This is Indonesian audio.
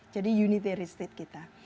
jadi unitary state kita